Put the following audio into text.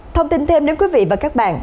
thông tin thêm đến quý vị và các bạn